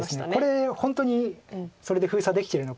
これ本当にそれで封鎖できてるのかと。